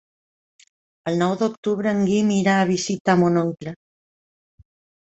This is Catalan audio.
El nou d'octubre en Guim irà a visitar mon oncle.